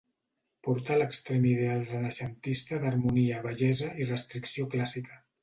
Porta a l'extrem l'ideal renaixentista d'harmonia, bellesa i restricció clàssica.